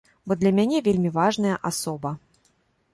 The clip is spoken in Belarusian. Бо для мяне вельмі важная асоба.